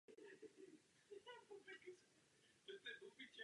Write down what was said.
V dubnu mu však lékaři našli zhoubný nádor na plicích.